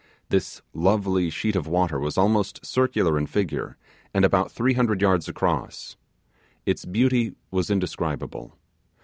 This lovely sheet of water was almost circular in figure, and about three hundred yards across. Its beauty was indescribable.